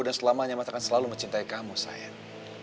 dan selamanya mas akan selalu mencintai kamu sayang